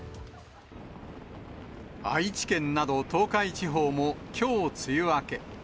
愛知県など、東海地方もきょう梅雨明け。